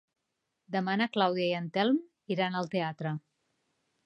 Demà na Clàudia i en Telm iran al teatre.